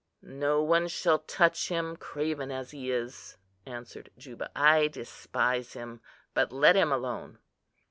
"No one shall touch him, craven as he is," answered Juba. "I despise him, but let him alone."